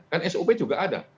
kan sop juga ada